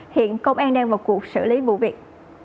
hiện công an đang vào cuộc xử lý vụ việc